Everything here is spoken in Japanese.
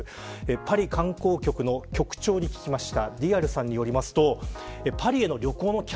パリ観光局の局長に聞きました。